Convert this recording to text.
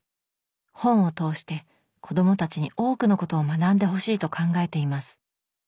本を通して子どもたちに多くのことを学んでほしいと考えています